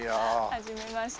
はじめまして。